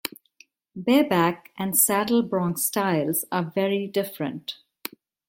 Bareback and Saddle bronc styles are very different.